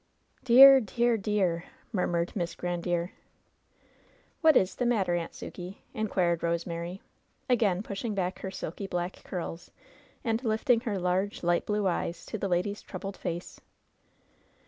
"Dear, dear, dear !" murmured Miss Grandiere. "What is the matter, Aunt Sukey?" inquired Rose mary, again pushing back her silky, black curls, and lifting her large, K^t blue eyes to die lady's troubleii face.